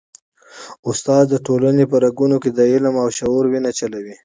استاد د ټولني په رګونو کي د علم او شعور وینه چلوي.